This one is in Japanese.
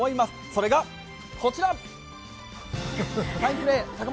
それがこちら！